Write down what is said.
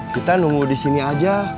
kita nunggu di sini aja